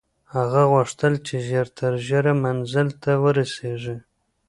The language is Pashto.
هغه غوښتل چې ژر تر ژره منزل ته ورسېږي.